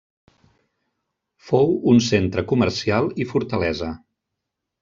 Fou un centre comercial i fortalesa.